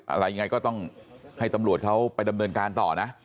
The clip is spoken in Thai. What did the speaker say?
อะไรยังไงก็ต้องให้ตำรวจเขาไปดำเนินการต่อนะ